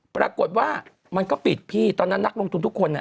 ปรากฏว่ามันก็ปิดพี่ตอนนั้นนักลงทุนทุกคนอ่ะ